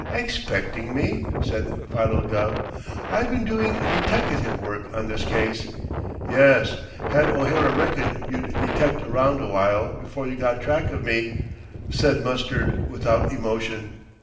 "Expecting me?" said Philo Gubb. "I've been doing deteckative work on this case " "Yes, Had' O'Hara reckoned you'd detect around awhile before you got track of me," said Mustard without emotion.